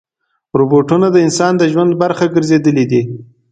روبوټونه د انسان د ژوند برخه ګرځېدلي دي.